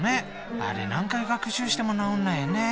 あれ何回学習しても直んないよね。